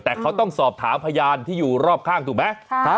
แต่เขาต้องสอบถามพยานที่อยู่รอบข้างถูกไหม